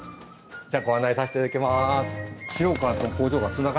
じゃあご案内させていただきます。